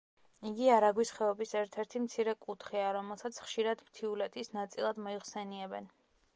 იგი არაგვის ხეობის ერთ-ერთი მცირე კუთხეა, რომელსაც ხშირად მთიულეთის ნაწილად მოიხსენიებენ.